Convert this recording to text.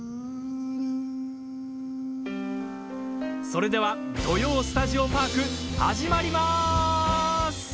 それでは「土曜スタジオパーク」始まります。